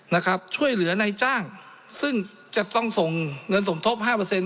นะครับช่วยเหลือนายจ้างซึ่งจะต้องส่งเงินสมทบห้าเปอร์เซ็น